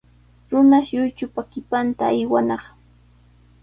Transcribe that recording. Runashi lluychupa qipanta aywanaq.